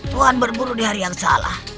tuhan berburu di hari yang salah